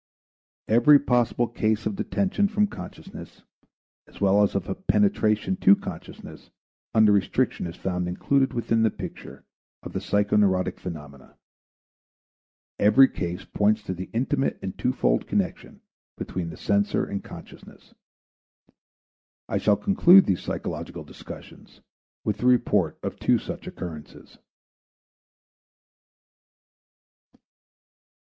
Every possible case of detention from consciousness, as well as of penetration to consciousness, under restriction is found included within the picture of the psychoneurotic phenomena; every case points to the intimate and twofold connection between the censor and consciousness. I shall conclude these psychological discussions with the report of two such occurrences.